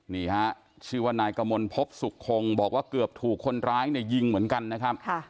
นี่ฮะชื่อว่านายกมลพบสุขคงบอกว่าเกือบถูกคนร้ายเนี่ยยิงเหมือนกันนะครับ